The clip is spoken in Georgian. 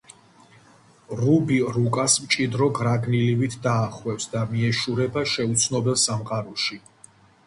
რუბი რუკას მჭიდრო გრაგნილივით დაახვევს და მიეშურება შეუცნობელ სამყაროში.